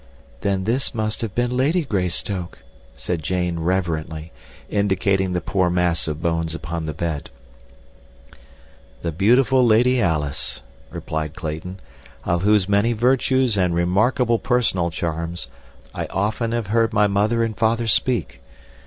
"Then this must have been Lady Greystoke," said Jane reverently, indicating the poor mass of bones upon the bed. "The beautiful Lady Alice," replied Clayton, "of whose many virtues and remarkable personal charms I often have heard my mother and father speak.